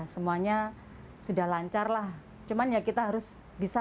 pemerintah mencari hak yang berharga